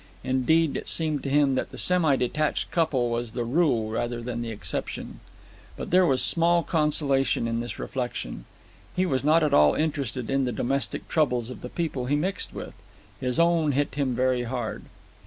Indeed, it seemed to him that the semi detached couple was the rule rather than the exception. But there was small consolation in this reflection. He was not at all interested in the domestic troubles of the people he mixed with. His own hit him very hard.